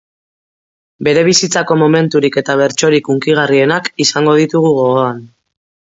Bere bizitzako momenturik eta bertsorik hunkigarrienak izango ditugu gogoan.